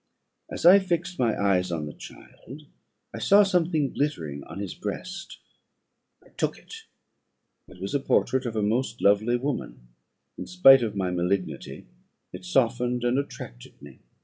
"As I fixed my eyes on the child, I saw something glittering on his breast. I took it; it was a portrait of a most lovely woman. In spite of my malignity, it softened and attracted me.